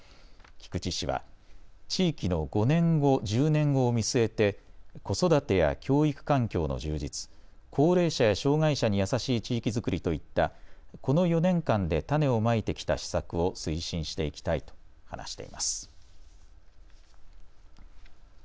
菊池氏は地域の５年後、１０年後を見据えて子育てや教育環境の充実、高齢者や障害者に優しい地域づくりといったこの４年間で種をまいてきた施策を推進していきたいと話しています。